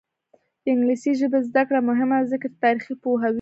د انګلیسي ژبې زده کړه مهمه ده ځکه چې تاریخ پوهوي.